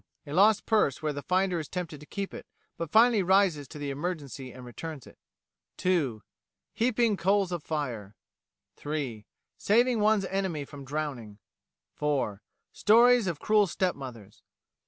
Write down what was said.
A lost purse where the finder is tempted to keep it, but finally rises to the emergency and returns it. 2. Heaping coals of fire(!) 3. Saving one's enemy from drowning. 4. Stories of cruel step mothers. 5.